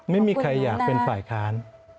ไม่มีใครอยากเป็นฝ่ายค้าน